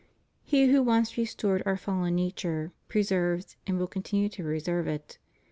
He who once restored our fallen nature, preserves, and will continue to preserve it.